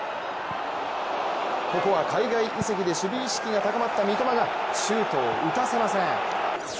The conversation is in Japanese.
ここは海外移籍で守備意識が高まった三笘がシュートを打たせません。